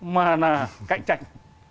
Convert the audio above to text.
mà là cạnh tranh